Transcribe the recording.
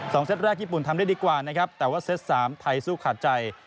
เซตแรกญี่ปุ่นทำได้ดีกว่านะครับแต่ว่าเซตสามไทยสู้ขาดใจ